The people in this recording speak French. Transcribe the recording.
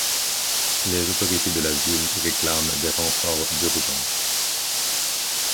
Les autorités de la ville réclament des renforts d'urgence.